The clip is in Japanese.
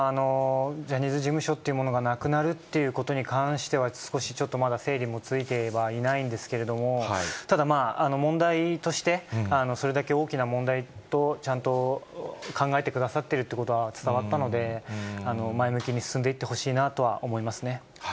ジャニーズ事務所というものがなくなるっていうことに関しては、少しちょっとまだ整理もついてはいないんですけれども、ただ、問題として、それだけ大きな問題と、ちゃんと考えてくださっているということは伝わったので、前向きに進んでいってほしいなとは思いますね。